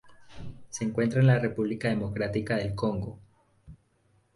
Se encuentra en la República Democrática del Congo.